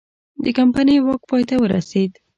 د کمپنۍ واک پای ته ورسید.